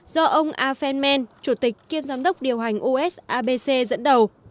do ông a phen men chủ tịch kiêm giám đốc điều hành os abc dẫn đầu